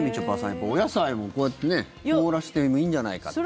やっぱりお野菜もこうやって凍らせてもいいんじゃないかっていう。